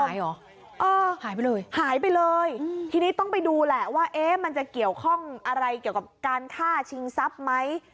เออหายไปเลยหายไปเลยทีนี้ต้องไปดูแหละว่าเอ๊ะมันจะเกี่ยวข้องอะไรเกี่ยวกับการฆ่าชิงทรัพย์ไหม